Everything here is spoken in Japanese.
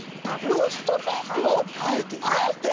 ローストビーフをあえて？